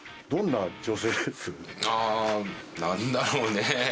ああ何だろうね？